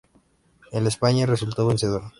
El España resultó vencedor.